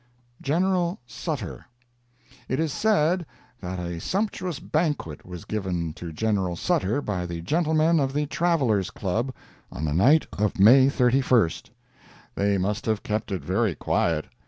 GENERAL SUTTER It is said that a sumptuous banquet was given to Gen. Sutter by the gentlemen of the Traveller's Club on the night of May 31st. They must have kept it very quiet.